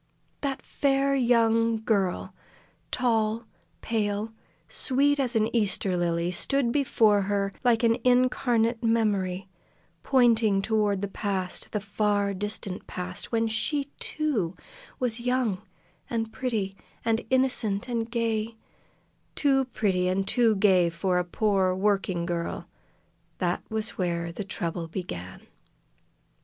That fair young girl tall, pale, sweet as an Easter lily stood before her like an incarnate memory, pointing toward the past, the far distant past, when she, too, was young, and pretty, and innocent, and gay too pretty and too gay for a poor working girl! That was where the trouble began.